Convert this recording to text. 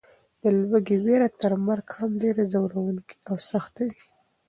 د لوږې وېره تر مرګ هم ډېره ځوروونکې او سخته وي.